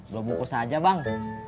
belom bungkus aja bang